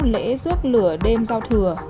lễ rước lửa đêm giao thừa